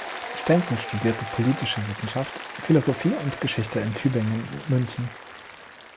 Stenzel studierte Politische Wissenschaft, Philosophie und Geschichte in Tübingen und München.